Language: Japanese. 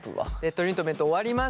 トリートメント終わりました。